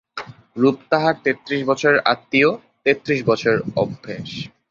রূপ তাহার তেত্রিশ বছরের আত্বীয়, তেত্রিশ বছরের আভ্যাস।